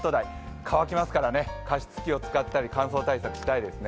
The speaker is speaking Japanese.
乾きますからね、加湿器を使ったり乾燥対策したいですね。